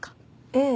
ええ。